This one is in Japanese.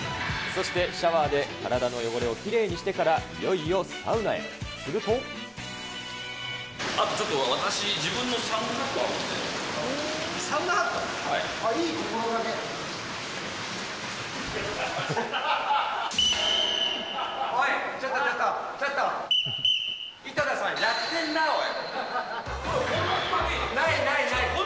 そしてシャワーで体の汚れをきれいにしてから、いよいよサウちょっと私、サウナハット？